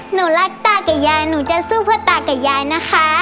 หนูรักตากับยายหนูจะสู้เพื่อตากับยายนะคะ